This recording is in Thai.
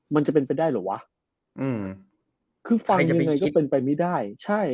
มันจะเป็นไปได้เหรอวะอืมคือฟังอย่าไปคิดว่าเป็นไปไม่ได้ใช่